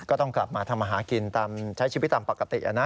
ก็ต้องกลับมาทำอาหารกินใช้ชีวิตตามปกตินะ